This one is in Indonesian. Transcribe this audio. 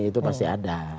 itu pasti ada